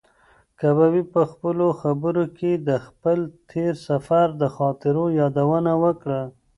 کبابي په خپلو خبرو کې د خپل تېر سفر د خاطرو یادونه وکړه.